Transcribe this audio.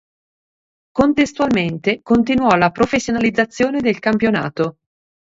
Contestualmente continuò la professionalizzazione del campionato.